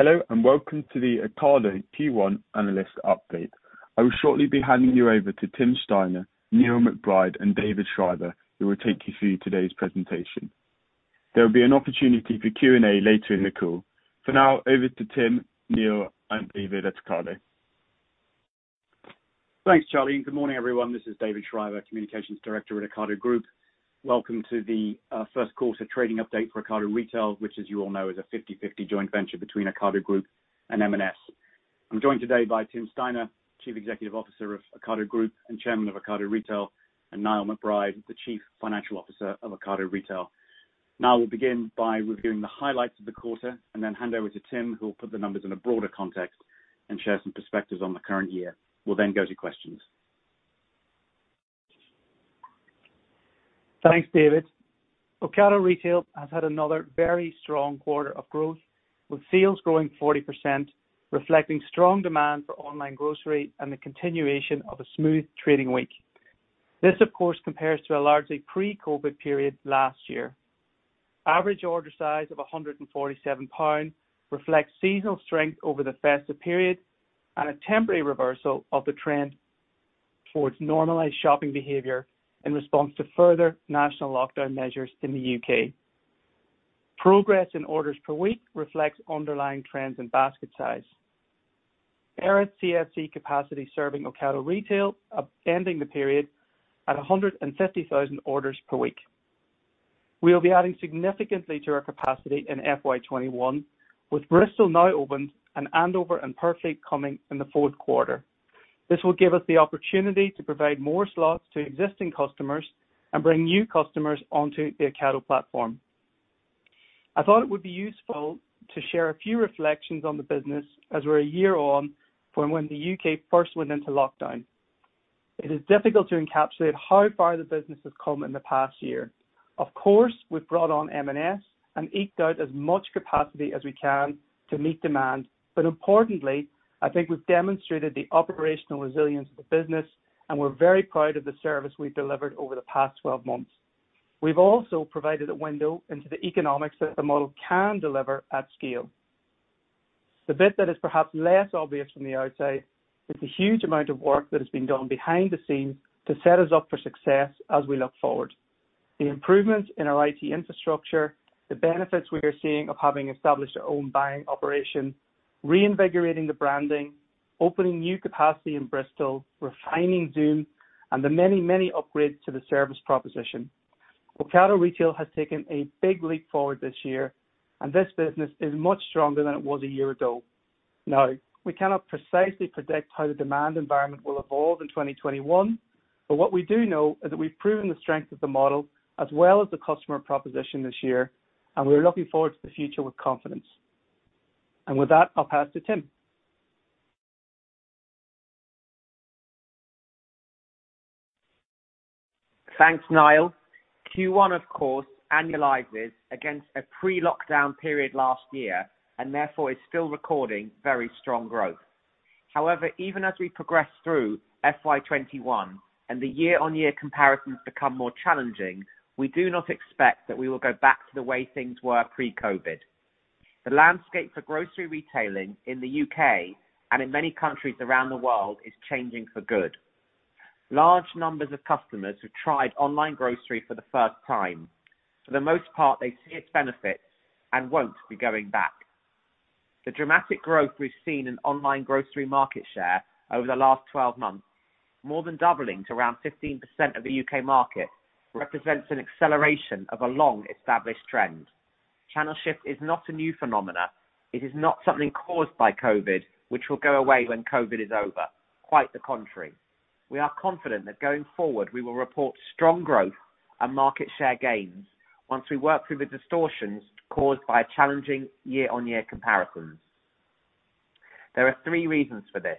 Hello, welcome to the Ocado Q1 analyst update. I will shortly be handing you over to Tim Steiner, Niall McBride, and David Shriver, who will take you through today's presentation. There will be an opportunity for Q&A later in the call. For now, over to Tim, Niall, and David at Ocado. Thanks, Charlie. Good morning, everyone. This is David Shriver, Communications Director at Ocado Group. Welcome to the first quarter trading update for Ocado Retail, which as you all know, is a 50/50 joint venture between Ocado Group and M&S. I'm joined today by Tim Steiner, Chief Executive Officer of Ocado Group and Chairman of Ocado Retail, and Niall McBride, the Chief Financial Officer of Ocado Retail. Niall will begin by reviewing the highlights of the quarter and then hand over to Tim, who will put the numbers in a broader context and share some perspectives on the current year. We'll go to questions. Thanks, David. Ocado Retail has had another very strong quarter of growth, with sales growing 40%, reflecting strong demand for online grocery and the continuation of a smooth trading week. This, of course, compares to a largely pre-COVID period last year. Average order size of 147 pound reflects seasonal strength over the festive period and a temporary reversal of the trend towards normalized shopping behavior in response to further national lockdown measures in the U.K. Progress in orders per week reflects underlying trends in basket size. Our CFC capacity serving Ocado Retail, ending the period at 150,000 orders per week. We'll be adding significantly to our capacity in FY 2021, with Bristol now open and Andover and Purfleet coming in the fourth quarter. This will give us the opportunity to provide more slots to existing customers and bring new customers onto the Ocado platform. I thought it would be useful to share a few reflections on the business as we're a year on from when the U.K. first went into lockdown. It is difficult to encapsulate how far the business has come in the past year. Of course, we've brought on M&S and eked out as much capacity as we can to meet demand, but importantly, I think we've demonstrated the operational resilience of the business, and we're very proud of the service we've delivered over the past 12 months. We've also provided a window into the economics that the model can deliver at scale. The bit that is perhaps less obvious from the outside is the huge amount of work that has been done behind the scenes to set us up for success as we look forward. The improvements in our IT infrastructure, the benefits we are seeing of having established our own buying operation, reinvigorating the branding, opening new capacity in Bristol, refining Zoom, and the many, many upgrades to the service proposition. Ocado Retail has taken a big leap forward this year, this business is much stronger than it was a year ago. Now, we cannot precisely predict how the demand environment will evolve in 2021, what we do know is that we've proven the strength of the model as well as the customer proposition this year, we're looking forward to the future with confidence. With that, I'll pass to Tim. Thanks, Niall. Q1, of course, annualizes against a pre-lockdown period last year and therefore is still recording very strong growth. Even as we progress through FY 2021 and the year-on-year comparisons become more challenging, we do not expect that we will go back to the way things were pre-COVID. The landscape for grocery retailing in the U.K. and in many countries around the world is changing for good. Large numbers of customers who tried online grocery for the first time, for the most part, they see its benefits and won't be going back. The dramatic growth we've seen in online grocery market share over the last 12 months, more than doubling to around 15% of the U.K. market, represents an acceleration of a long-established trend. Channel shift is not a new phenomenon. It is not something caused by COVID, which will go away when COVID is over. Quite the contrary. We are confident that going forward, we will report strong growth and market share gains once we work through the distortions caused by challenging year-on-year comparisons. There are three reasons for this.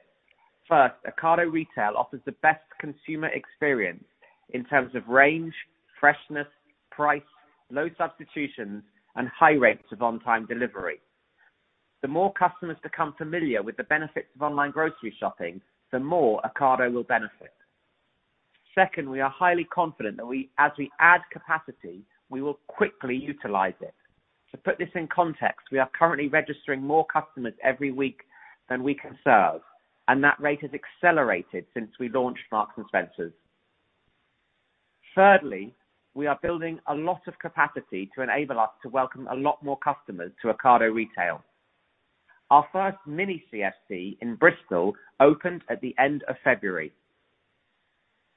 First, Ocado Retail offers the best consumer experience in terms of range, freshness, price, low substitutions, and high rates of on-time delivery. The more customers become familiar with the benefits of online grocery shopping, the more Ocado will benefit. Second, we are highly confident that as we add capacity, we will quickly utilize it. To put this in context, we are currently registering more customers every week than we can serve, and that rate has accelerated since we launched Marks & Spencer. Thirdly, we are building a lot of capacity to enable us to welcome a lot more customers to Ocado Retail. Our first mini CFC in Bristol opened at the end of February.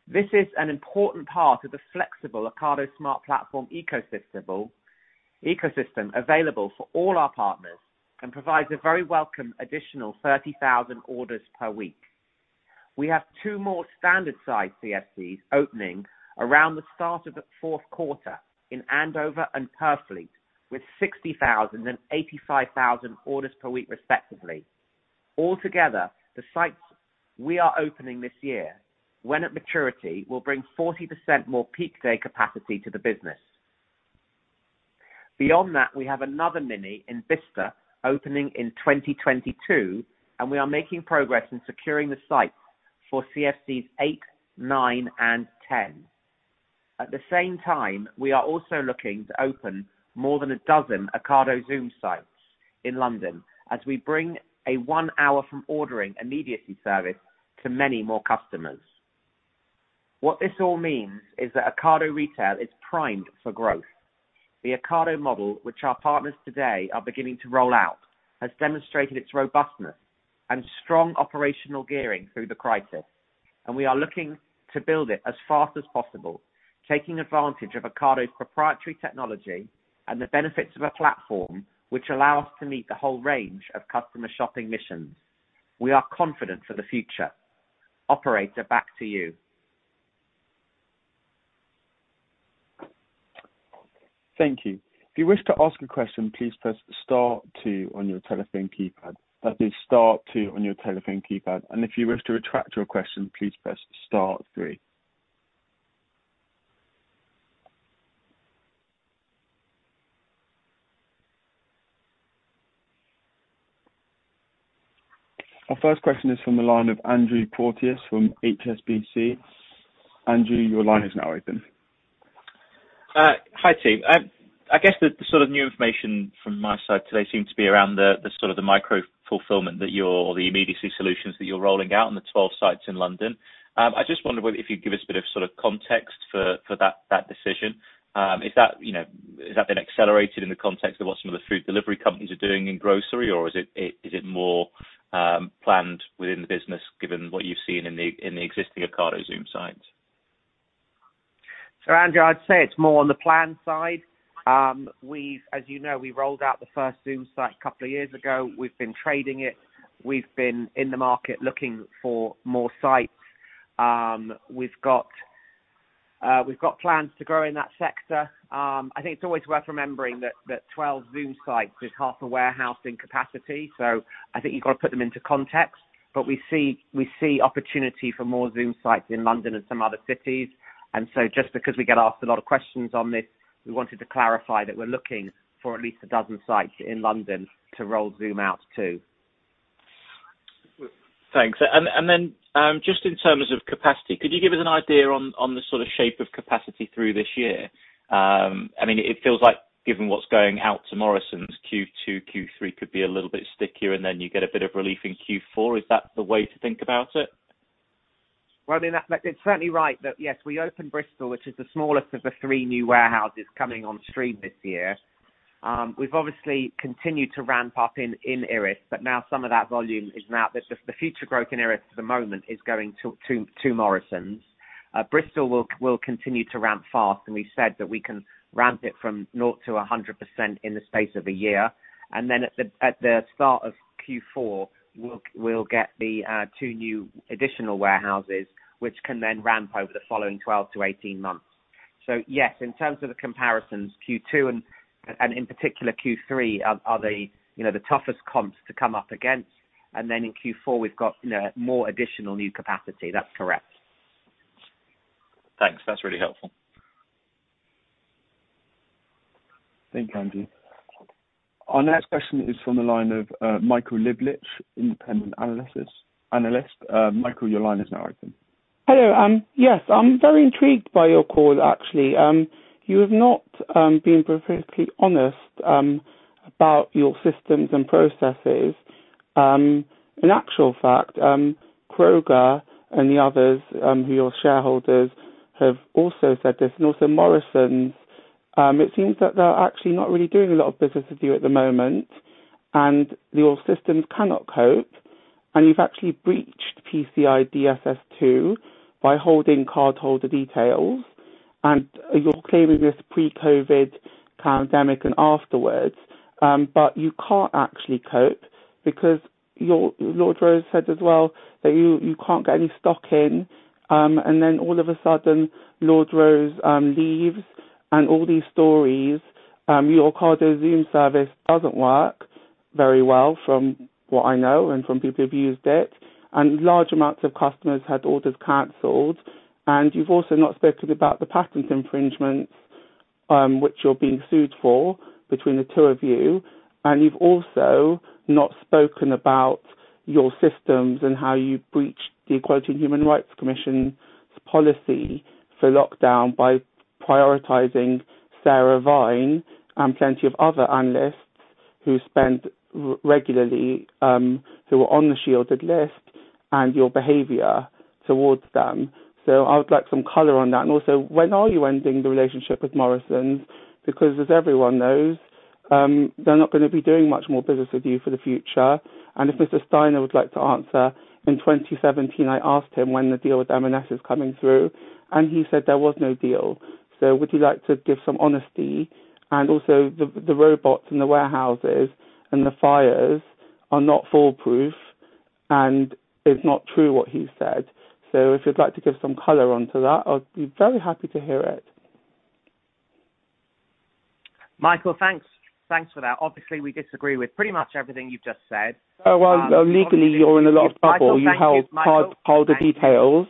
This is an important part of the flexible Ocado Smart Platform ecosystem available for all our partners and provides a very welcome additional 30,000 orders per week. We have two more standard size CFCs opening around the start of the fourth quarter in Andover and Purfleet, with 60,000 and 85,000 orders per week respectively. Altogether, the sites we are opening this year, when at maturity, will bring 40% more peak day capacity to the business. Beyond that, we have another mini in Bicester opening in 2022, and we are making progress in securing the site for CFCs eight, nine, and ten. At the same time, we are also looking to open more than a dozen Ocado Zoom sites in London as we bring a one hour from ordering immediacy service to many more customers. What this all means is that Ocado Retail is primed for growth. The Ocado model, which our partners today are beginning to roll out, has demonstrated its robustness and strong operational gearing through the crisis, and we are looking to build it as fast as possible, taking advantage of Ocado's proprietary technology and the benefits of a platform which allow us to meet the whole range of customer shopping missions. We are confident for the future. Operator, back to you. Thank you. Our first question is from the line of Andrew Porteous from HSBC. Andrew, your line is now open. Hi, team. I guess the new information from my side today seems to be around the micro fulfillment or the immediacy solutions that you're rolling out on the 12 sites in London. I just wonder if you could give us a bit of context for that decision. Has that been accelerated in the context of what some of the food delivery companies are doing in grocery, or is it more planned within the business given what you've seen in the existing Ocado Zoom sites? Andrew, I'd say it's more on the planned side. As you know, we rolled out the first Zoom site two years ago. We've been trading it. We've been in the market looking for more sites. We've got plans to grow in that sector. I think it's always worth remembering that 12 Zoom sites is half a warehouse in capacity, so I think you've got to put them into context. We see opportunity for more Zoom sites in London and some other cities. Just because we get asked a lot of questions on this, we wanted to clarify that we're looking for at least 12 sites in London to roll Zoom out to. Thanks. Then, just in terms of capacity, could you give us an idea on the shape of capacity through this year? It feels like given what's going out to Morrisons, Q2, Q3 could be a little bit stickier, and then you get a bit of relief in Q4. Is that the way to think about it? It's certainly right that, yes, we opened Bristol, which is the smallest of the three new warehouses coming on stream this year. We've obviously continued to ramp up in Erith, but the future growth in Erith at the moment is going to Morrisons. Bristol will continue to ramp fast, and we said that we can ramp it from naught to 100% in the space of a year. At the start of Q4, we'll get the two new additional warehouses, which can then ramp over the following 12 to 18 months. Yes, in terms of the comparisons, Q2 and in particular Q3 are the toughest comps to come up against. In Q4, we've got more additional new capacity. That's correct. Thanks. That's really helpful. Thanks, Andrew. Our next question is from the line of Michael Lieblich, Independent Analyst. Michael, your line is now open. Hello. Yes, I'm very intrigued by your call, actually. You have not been perfectly honest about your systems and processes. In actual fact, Kroger and the others, who your shareholders have also said this, and also Morrisons, it seems that they're actually not really doing a lot of business with you at the moment, and your systems cannot cope, and you've actually breached PCI DSS 2 by holding cardholder details. You're claiming this pre-COVID pandemic and afterwards, but you can't actually cope because Lord Rose said as well that you can't get any stock in, and then all of a sudden, Lord Rose leaves and all these stories. Your Ocado Zoom service doesn't work very well from what I know and from people who've used it, and large amounts of customers had orders canceled. You've also not spoken about the patent infringements, which you're being sued for between the two of you. You've also not spoken about your systems and how you breached the Equality and Human Rights Commission's policy for lockdown by prioritizing Sarah Vine and plenty of other analysts who spent regularly, who were on the shielded list, and your behavior towards them. I would like some color on that. Also, when are you ending the relationship with Morrisons? Because as everyone knows, they're not going to be doing much more business with you for the future. If Mr. Steiner would like to answer, in 2017, I asked him when the deal with M&S is coming through, and he said there was no deal. Would you like to give some honesty? Also the robots in the warehouses and the fires are not foolproof, and it's not true what he said. If you'd like to give some color onto that, I'll be very happy to hear it. Michael, thanks for that. Obviously, we disagree with pretty much everything you've just said. Oh, well, legally, you're in a lot of trouble. You held cardholder details.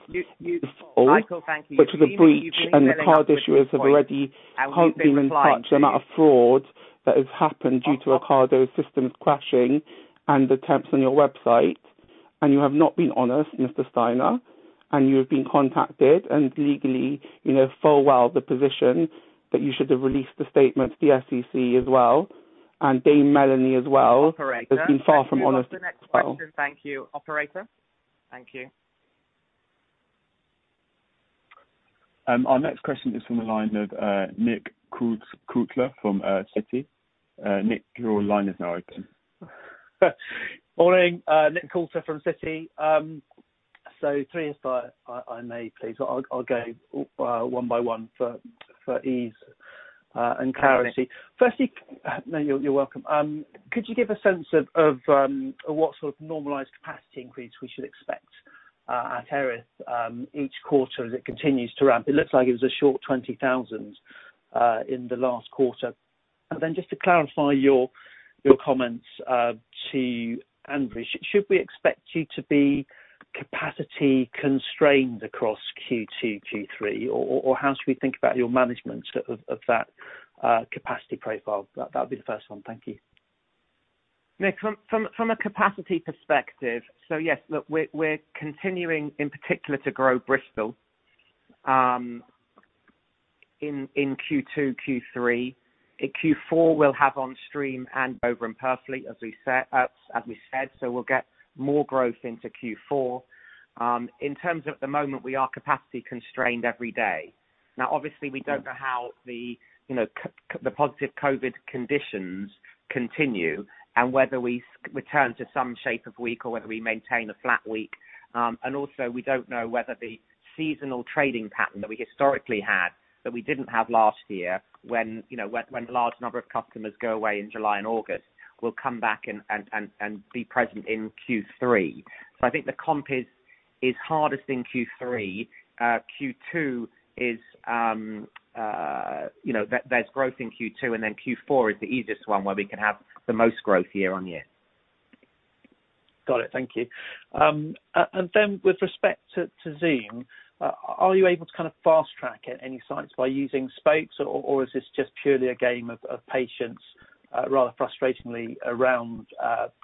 Michael, thank you. Which is a breach, and card issuers have already come in touch the amount of fraud that has happened due to Ocado systems crashing and attempts on your website. You have not been honest, Mr. Steiner, and you have been contacted and legally, you know full well the position that you should have released the statement to the SEC as well, and Dame Melanie as well. This has been far from honest as well. What's the next question? Thank you, operator. Thank you. Our next question is from the line of Nick Coulter from Citi. Nick, your line is now open. Morning, Nick Coulter from Citi. Three, if I may, please. I'll go one by one for ease and clarity. Okay. No, you're welcome. Could you give a sense of what sort of normalized capacity increase we should expect at Erith each quarter as it continues to ramp? It looks like it was a short 20,000 in the last quarter. Just to clarify your comments to Andrew's, should we expect you to be capacity constrained across Q2, Q3 or how should we think about your management of that capacity profile? That would be the first one. Thank you. Nick, from a capacity perspective. Yes, look, we're continuing in particular to grow Bristol in Q2, Q3. In Q4, we'll have on stream and over in Purfleet as we said, we'll get more growth into Q4. In terms of at the moment, we are capacity constrained every day. Obviously, we don't know how the positive COVID conditions continue and whether we return to some shape of week or whether we maintain a flat week. Also we don't know whether the seasonal trading pattern that we historically had, that we didn't have last year, when the large number of customers go away in July and August will come back and be present in Q3. I think the comp is hardest in Q3. There's growth in Q2, then Q4 is the easiest one where we can have the most growth year-over-year. Got it. Thank you. With respect to Zoom, are you able to kind of fast track at any sites by using spokes or is this just purely a game of patience, rather frustratingly around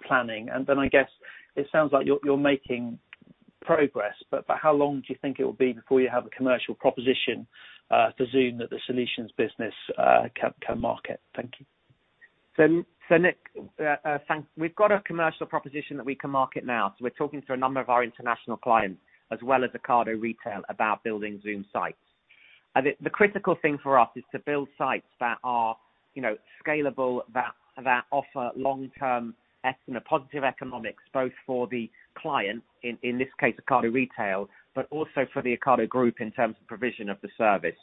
planning? I guess it sounds like you're making progress, for how long do you think it will be before you have a commercial proposition for Zoom that the solutions business can market? Thank you. Nick, thanks. We've got a commercial proposition that we can market now. We're talking to a number of our international clients as well as Ocado Retail about building Zoom sites. The critical thing for us is to build sites that are scalable, that offer long-term positive economics, both for the client, in this case, Ocado Retail, but also for the Ocado Group in terms of provision of the service.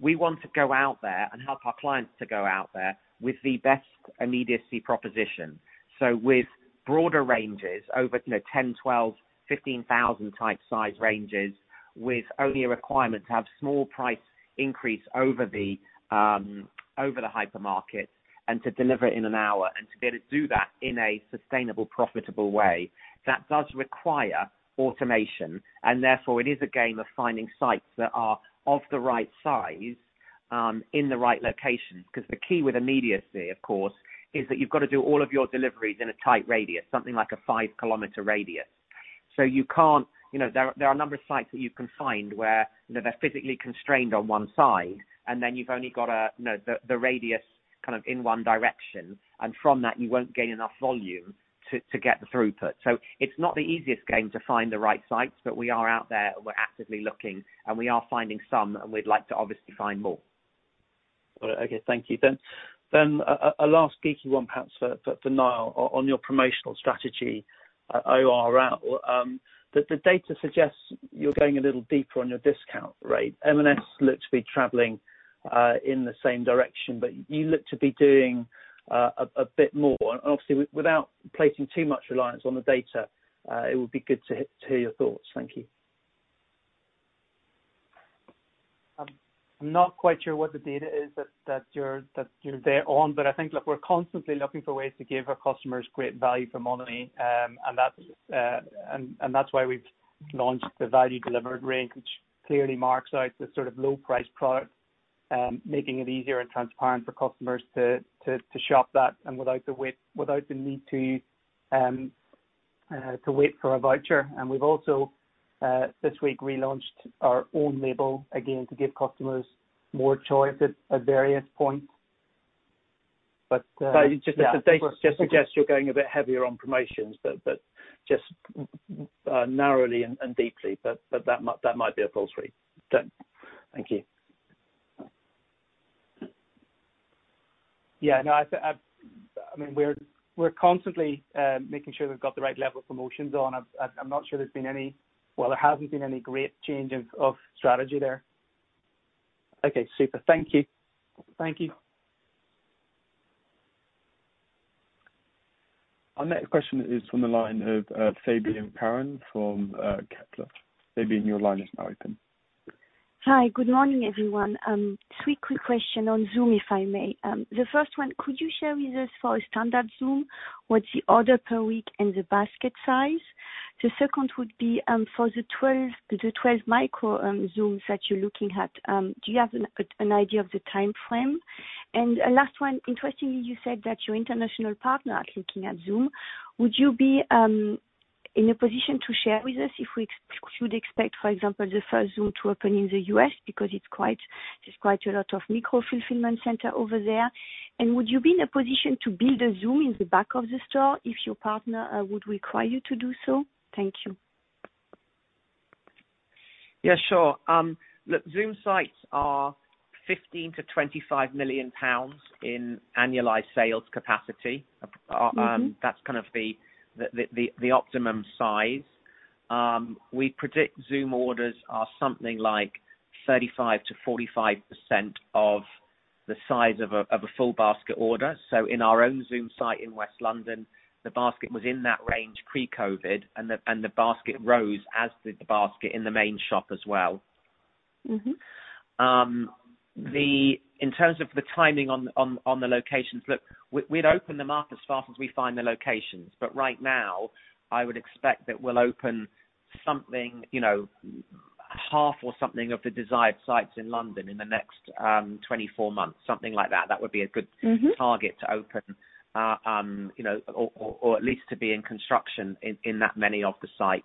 We want to go out there and help our clients to go out there with the best immediacy proposition. With broader ranges over 10, 12, 15,000 type size ranges, with only a requirement to have small price increase over the hypermarket and to deliver it in 1 hour, and to be able to do that in a sustainable, profitable way, that does require automation, and therefore it is a game of finding sites that are of the right size, in the right locations. The key with immediacy, of course, is that you've got to do all of your deliveries in a tight radius, something like a 5 km radius. There are a number of sites that you can find where they're physically constrained on one side, and then you've only got the radius kind of in one direction, and from that you won't gain enough volume to get the throughput. It's not the easiest game to find the right sites, but we are out there and we're actively looking, and we are finding some, and we'd like to obviously find more. Okay. Thank you. A last geeky one perhaps for Niall on your promotional strategy, ORL, the data suggests you're going a little deeper on your discount rate. M&S looks to be traveling in the same direction, but you look to be doing a bit more. Obviously, without placing too much reliance on the data, it would be good to hear your thoughts. Thank you. I'm not quite sure what the data is that you're there on, I think, look, we're constantly looking for ways to give our customers great value for money. That's why we've launched the Value Delivered range, which clearly marks out the sort of low-price product, making it easier and transparent for customers to shop that and without the need to wait for a voucher. We've also, this week, relaunched our own label again to give customers more choice at various points. Sorry, just the data just suggests you're going a bit heavier on promotions, but just narrowly and deeply, but that might be a false read. Thank you. Yeah, no, we're constantly making sure we've got the right level of promotions on. I'm not sure there's been, well, there hasn't been any great change of strategy there. Okay, super. Thank you. Thank you. Our next question is from the line of Fabienne Caron from Kepler. Fabienne, your line is now open. Hi. Good morning, everyone. Three quick question on Zoom, if I may. The first one, could you share with us for a standard Zoom, what's the order per week and the basket size? The second would be for the 12 micro Zooms that you're looking at, do you have an idea of the timeframe? Last one, interestingly, you said that your international partners are looking at Zoom. Would you be in a position to share with us if we should expect, for example, the first Zoom to open in the U.S. because there's quite a lot of micro-fulfilment centre over there. Would you be in a position to build a Zoom in the back of the store if your partner would require you to do so? Thank you. Yeah, sure. Look, Zoom sites are 15 million-25 million pounds in annualized sales capacity. That's the optimum size. We predict Zoom orders are something like 35%-45% of the size of a full basket order. In our own Zoom site in West London, the basket was in that range pre-COVID, and the basket rose as did the basket in the main shop as well. In terms of the timing on the locations, look, we'd open them up as fast as we find the locations, but right now, I would expect that we'll open half or something of the desired sites in London in the next 24 months, something like that. That would be a good. Target to open or at least to be in construction in that many of the sites.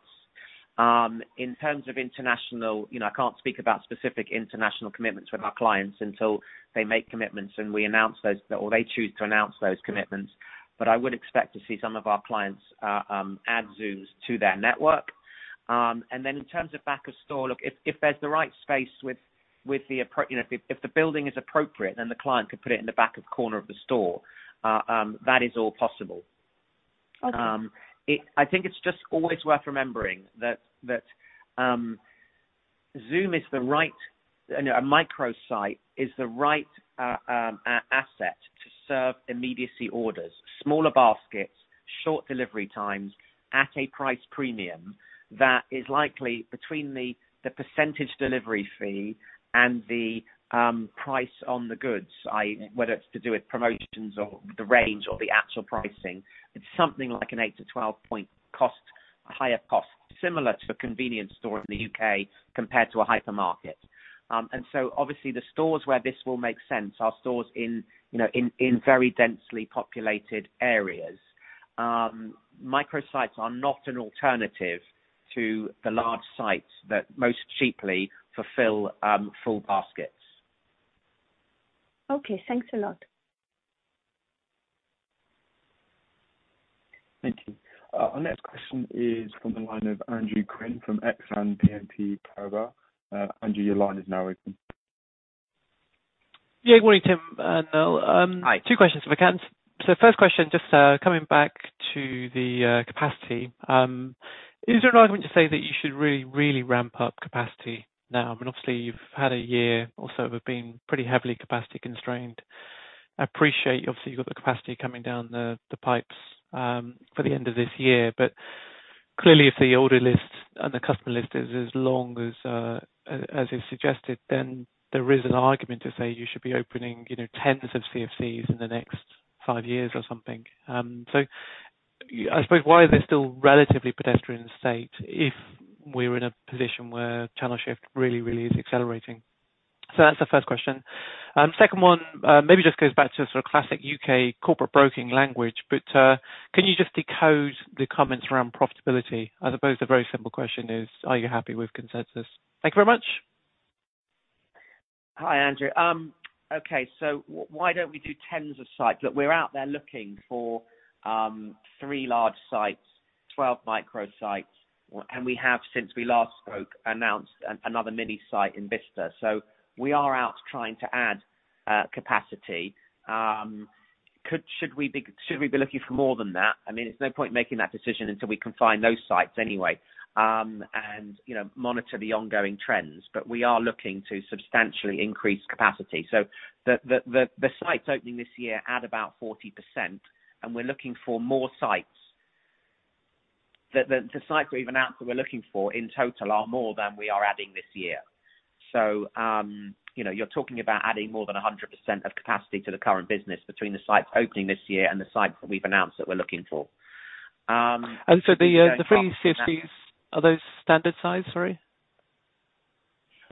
In terms of international, I can't speak about specific international commitments with our clients until they make commitments and we announce those, or they choose to announce those commitments. I would expect to see some of our clients add Zooms to their network. In terms of back of store, look, if there's the right space, if the building is appropriate, then the client could put it in the back of corner of the store. That is all possible. Okay. I think it's just always worth remembering that Zoom is the right asset to serve immediacy orders, smaller baskets, short delivery times at a price premium that is likely between the percentage delivery fee and the price on the goods, whether it's to do with promotions or the range or the actual pricing. It's something like an 8-12 point higher cost, similar to a convenience store in the U.K. compared to a hypermarket. Obviously the stores where this will make sense are stores in very densely populated areas. Microsites are not an alternative to the large sites that most cheaply fulfill full baskets. Okay, thanks a lot. Thank you. Our next question is from the line of Andrew Quinn from Exane BNP Paribas. Andrew, your line is now open. Yeah. Good morning, Tim and Niall. Hi. Two questions if I can. First question, just coming back to the capacity. Is there an argument to say that you should really, really ramp up capacity now? I mean, obviously, you've had a year or so of being pretty heavily capacity-constrained. I appreciate, obviously, you've got the capacity coming down the pipes for the end of this year. Clearly, if the order list and the customer list is as long as you've suggested, then there is an argument to say you should be opening tens of CFCs in the next five years or something. I suppose why are they still relatively pedestrian state if we're in a position where channel shift really, really is accelerating? That's the first question. Second one, maybe just goes back to classic U.K. corporate broking language, but can you just decode the comments around profitability? I suppose the very simple question is, are you happy with consensus? Thank you very much. Hi, Andrew. Why don't we do tens of sites? Look, we're out there looking for three large sites, 12 micro sites, and we have, since we last spoke, announced another mini site in Bicester. We are out trying to add capacity. Should we be looking for more than that? There's no point making that decision until we can find those sites anyway, and monitor the ongoing trends. We are looking to substantially increase capacity. The sites opening this year add about 40%, and we're looking for more sites. The sites we've announced that we're looking for in total are more than we are adding this year. You're talking about adding more than 100% of capacity to the current business between the sites opening this year and the sites that we've announced that we're looking for. The three CFCs, are those standard size? Sorry.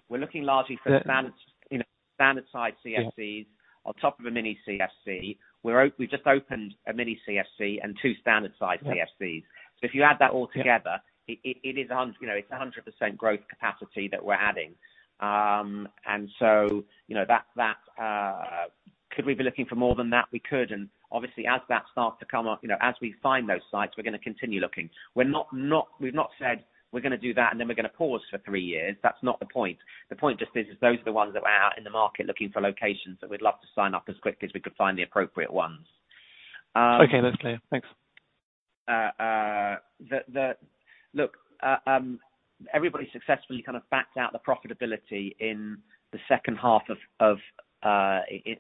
We're looking largely for standard. Yeah. Size CFCs on top of a mini CFC. We've just opened a mini CFC and two standard-size CFCs. If you add that all together. Yeah. It's 100% growth capacity that we're adding. Could we be looking for more than that? We could, obviously, as that starts to come up, as we find those sites, we're going to continue looking. We've not said we're going to do that, then we're going to pause for three years. That's not the point. The point just is those are the ones that we're out in the market looking for locations that we'd love to sign up as quickly as we could find the appropriate ones. Okay, that's clear. Thanks. Everybody successfully backed out the profitability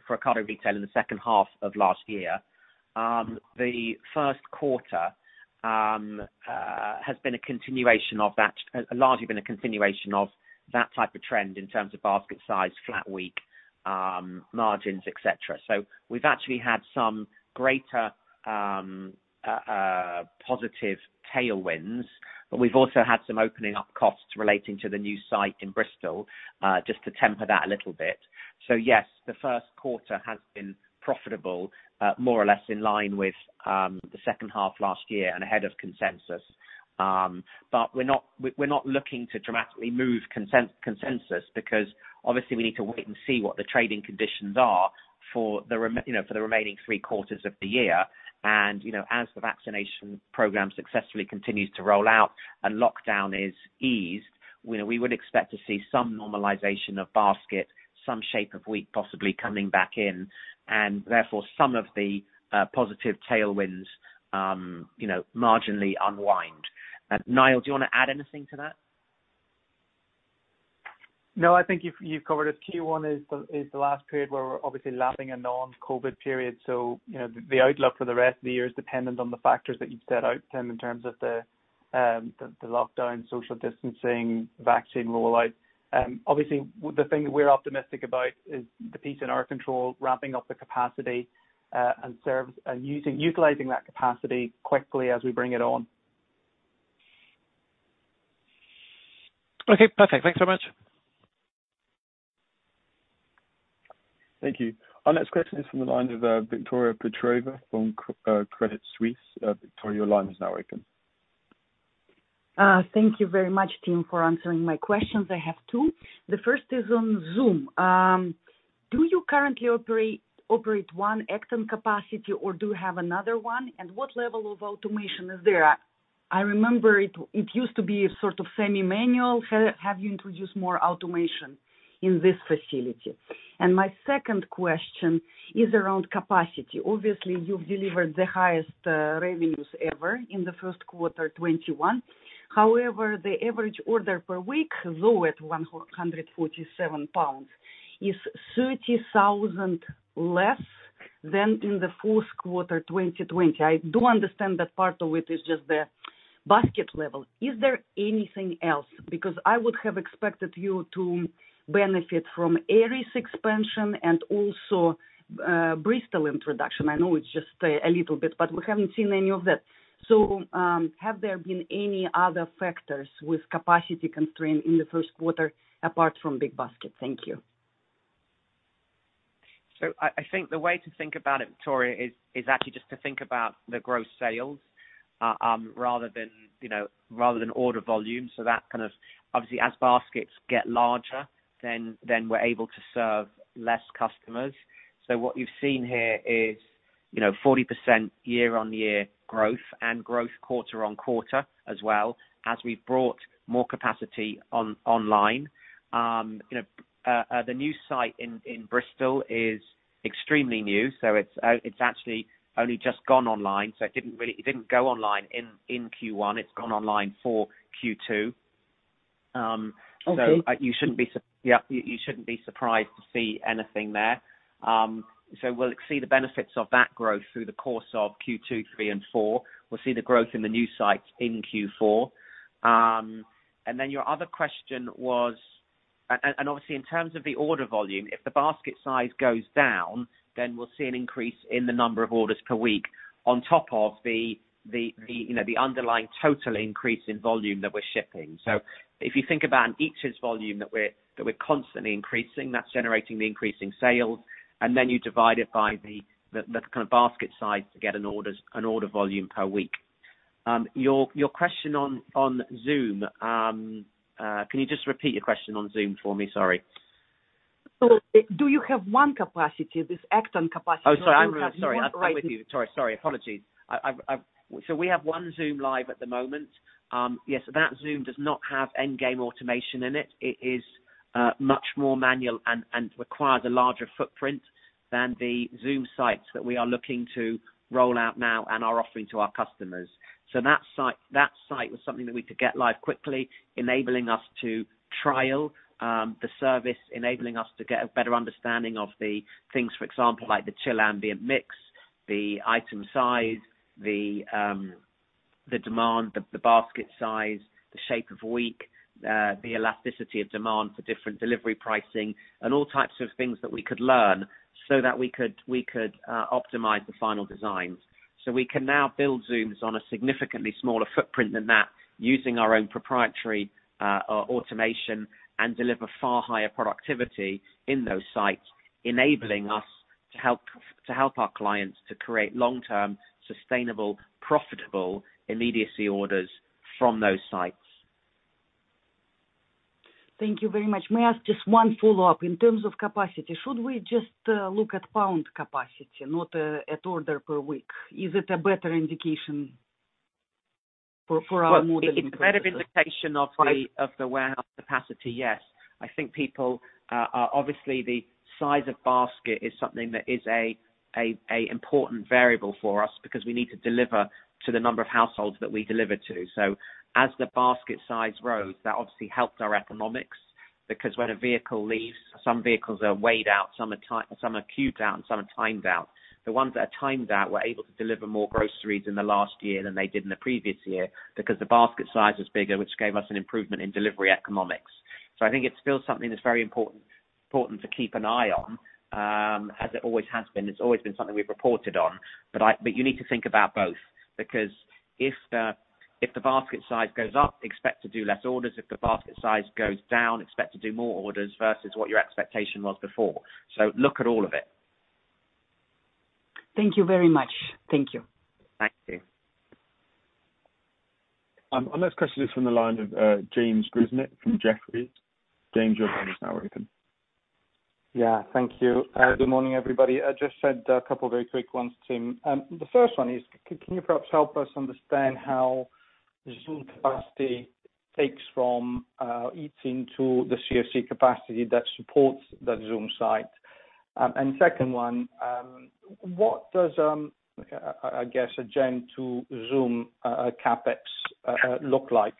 for Ocado Retail in the second half of last year. The first quarter has largely been a continuation of that type of trend in terms of basket size, flat week, margins, etc. We've actually had some greater positive tailwinds. We've also had some opening up costs relating to the new site in Bristol, just to temper that a little bit. Yes, the first quarter has been profitable, more or less in line with the second half last year and ahead of consensus. We're not looking to dramatically move consensus because obviously we need to wait and see what the trading conditions are for the remaining three quarters of the year. As the vaccination program successfully continues to roll out and lockdown is eased, we would expect to see some normalization of basket, some shape of week possibly coming back in, and therefore some of the positive tailwinds marginally unwind. Niall, do you want to add anything to that? No, I think you've covered it. Q1 is the last period where we're obviously lapping a non-COVID period. The outlook for the rest of the year is dependent on the factors that you've set out, Tim, in terms of the lockdown, social distancing, vaccine rollout. Obviously, the thing that we're optimistic about is the piece in our control, ramping up the capacity and utilizing that capacity quickly as we bring it on. Okay, perfect. Thanks so much. Thank you. Our next question is from the line of Victoria Petrova from Credit Suisse. Victoria, your line is now open. Thank you very much, team, for answering my questions. I have two. The first is on Zoom. Do you currently operate one Acton capacity or do you have another one? What level of automation is there? I remember it used to be sort of semi-manual. Have you introduced more automation in this facility? My second question is around capacity. Obviously, you've delivered the highest revenues ever in Q1 2021. However, the average order per week, though, at 147 pounds, is 30,000 less than in Q4 2020. I do understand that part of it is just the basket level. Is there anything else? I would have expected you to benefit from Erith expansion and also Bristol introduction. I know it's just a little bit, we haven't seen any of that. Have there been any other factors with capacity constraint in the first quarter apart from big basket? Thank you. I think the way to think about it, Victoria, is actually just to think about the gross sales rather than order volume. Obviously, as baskets get larger, then we're able to serve less customers. What you've seen here is 40% year-on-year growth and growth quarter-on-quarter as well as we've brought more capacity online. The new site in Bristol is extremely new, so it's actually only just gone online. It didn't go online in Q1. It's gone online for Q2. Okay. You shouldn't be surprised to see anything there. We'll see the benefits of that growth through the course of Q2, Q3, and Q4. We'll see the growth in the new sites in Q4. Your other question was, and obviously, in terms of the order volume, if the basket size goes down, then we'll see an increase in the number of orders per week on top of the underlying total increase in volume that we're shipping. If you think about an eaches volume that we're constantly increasing, that's generating the increasing sales, and then you divide it by the kind of basket size to get an order volume per week. Your question on Zoom, can you just repeat your question on Zoom for me? Sorry. Do you have one capacity, this Acton capacity? Sorry. I'm with you, Victoria. Sorry, apologies. We have one Zoom live at the moment. Yes, that Zoom does not have end-game automation in it. It is much more manual and requires a larger footprint than the Zoom sites that we are looking to roll out now and are offering to our customers. That site was something that we could get live quickly, enabling us to trial the service, enabling us to get a better understanding of the things, for example, like the chill ambient mix, the item size, the demand, the basket size, the shape of week, the elasticity of demand for different delivery pricing, and all types of things that we could learn so that we could optimize the final designs. We can now build Zooms on a significantly smaller footprint than that using our own proprietary automation and deliver far higher productivity in those sites, enabling us to help our clients to create long-term, sustainable, profitable immediacy orders from those sites. Thank you very much. May I ask just one follow-up? In terms of capacity, should we just look at pound capacity, not at order per week? Is it a better indication for our modeling purposes? It's a better indication of the warehouse capacity, yes. I think people, obviously, the size of basket is something that is an important variable for us because we need to deliver to the number of households that we deliver to. As the basket size grows, that obviously helps our economics, because when a vehicle leaves, some vehicles are weighed out, some are queued out, and some are timed out. The ones that are timed out were able to deliver more groceries in the last year than they did in the previous year because the basket size is bigger, which gave us an improvement in delivery economics. I think it's still something that's very important to keep an eye on, as it always has been. It's always been something we've reported on. You need to think about both, because if the basket size goes up, expect to do less orders. If the basket size goes down, expect to do more orders versus what your expectation was before. Look at all of it. Thank you very much. Thank you. Thank you. Our next question is from the line of James Grzinic from Jefferies. James, your line is now open. Yeah. Thank you. Good morning, everybody. I just had a couple very quick ones, Tim. The first one is, can you perhaps help us understand how the Zoom capacity eats into the CFC capacity that supports that Zoom site? Second one, what does, I guess, a gen 2 Zoom CapEx look like,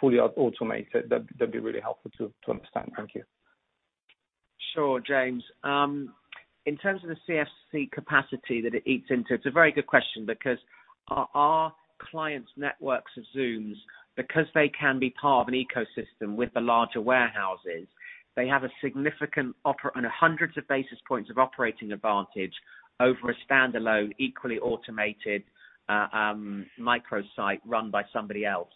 fully automated? That'd be really helpful to understand. Thank you. Sure, James. In terms of the CFC capacity that it eats into, it's a very good question because our clients' networks of Zooms, because they can be part of an ecosystem with the larger warehouses, they have a significant and hundreds of basis points of operating advantage over a standalone, equally automated microsite run by somebody else.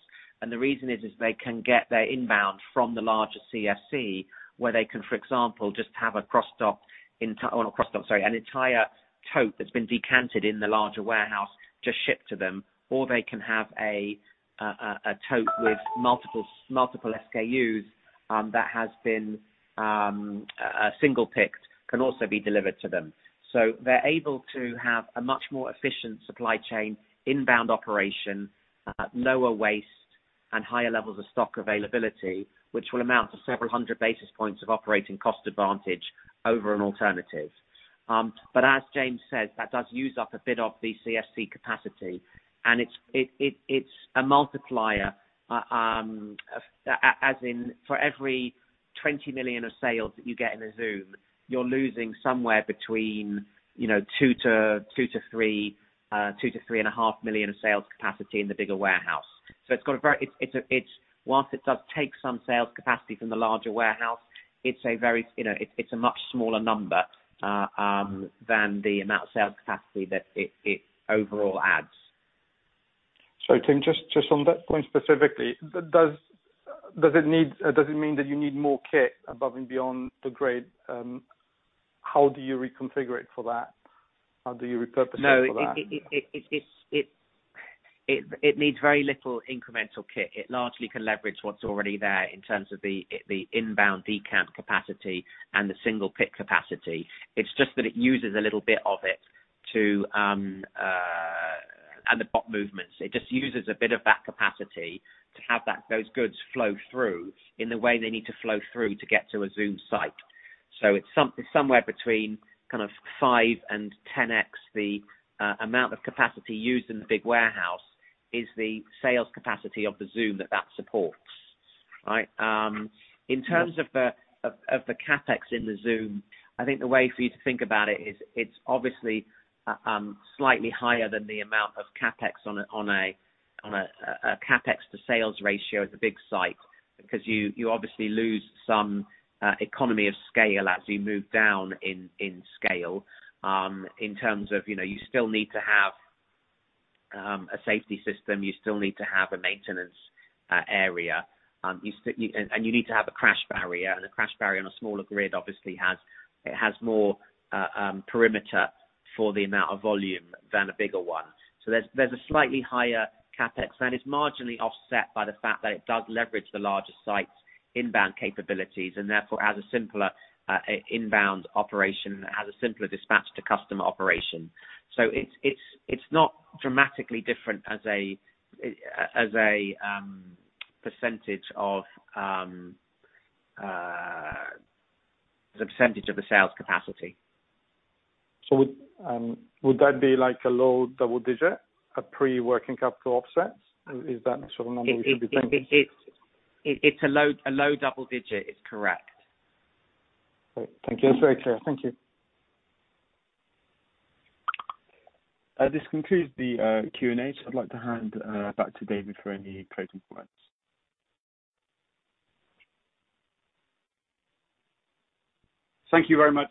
The reason is they can get their inbound from the larger CFC, where they can, for example, just have an entire tote that's been decanted in the larger warehouse just shipped to them, or they can have a tote with multiple SKUs that has been single picked, can also be delivered to them. They're able to have a much more efficient supply chain inbound operation, lower waste, and higher levels of stock availability, which will amount to several hundred basis points of operating cost advantage over an alternative. As James said, that does use up a bit of the CFC capacity, and it's a multiplier, as in, for every 20 million of sales that you get in a Zoom, you're losing somewhere between 2 million-3.5 million of sales capacity in the bigger warehouse. It does take some sales capacity from the larger warehouse, it's a much smaller number than the amount of sales capacity that it overall adds. Sorry, Tim, just on that point specifically, does it mean that you need more kit above and beyond the grid? How do you reconfigure it for that? How do you repurpose it for that? No, it needs very little incremental kit. It largely can leverage what's already there in terms of the inbound decant capacity and the single-pick capacity. It's just that it uses a little bit of it and the bot movements. It just uses a bit of that capacity to have those goods flow through in the way they need to flow through to get to a Zoom site. It's somewhere between kind of 5x and 10x the amount of capacity used in the big warehouse, is the sales capacity of the Zoom that that supports. Right? In terms of the CapEx in the Zoom, I think the way for you to think about it is, it is obviously slightly higher than the amount of CapEx on a CapEx-to-sales ratio at the big site, because you obviously lose some economy of scale as you move down in scale, in terms of, you still need to have a safety system, you still need to have a maintenance area, and you need to have a crash barrier. A crash barrier on a smaller grid, obviously, it has more perimeter for the amount of volume than a bigger one. There is a slightly higher CapEx. That is marginally offset by the fact that it does leverage the larger site's inbound capabilities and therefore has a simpler inbound operation. It has a simpler dispatch-to-customer operation. It is not dramatically different as a percentage of the sales capacity. Would that be like a low double digit, a pre-working capital offsets? Is that the sort of number we should be thinking? It's a low double digit is correct. Great. Thank you. That's very clear. Thank you. This concludes the Q&A. I'd like to hand back to David for any closing remarks. Thank you very much,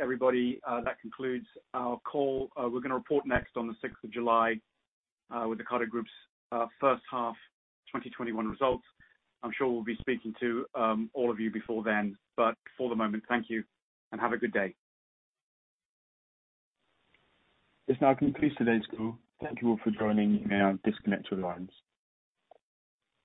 everybody. That concludes our call. We're going to report next on the 6th of July with the Ocado Group's first half 2021 results. I'm sure we'll be speaking to all of you before then. For the moment, thank you, and have a good day. This now concludes today's call. Thank you all for joining. You may now disconnect your lines.